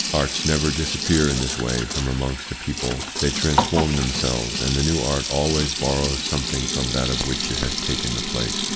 Arts never disappear in this way from amongst a people ; they transform themselves, and the new art always borrows some thing from that of which it has taken the place.